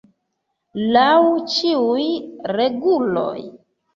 Laŭ ĉiuj reguloj!